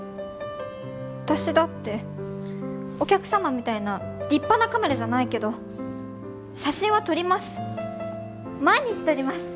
私だってお客様みたいな立派なカメラじゃないけど写真は撮ります。